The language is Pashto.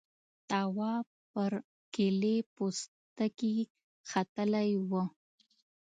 تواب پر کيلې پوستکي ختلی و.